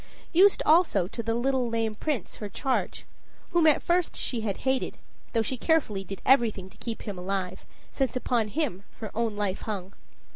Used also to the little lame Prince, her charge whom at first she had hated, though she carefully did everything to keep him alive, since upon him her own life hung.